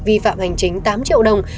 vi phạm hành chính tám triệu đồng